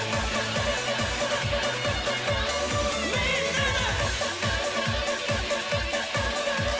みんなで！